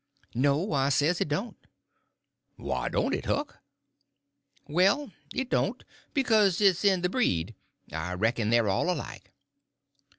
"No," I says, "it don't." "Why don't it, Huck?" "Well, it don't, because it's in the breed. I reckon they're all alike."